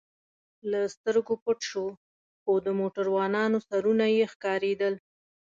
له سترګو پټ شو، خو د موټروانانو سرونه یې ښکارېدل.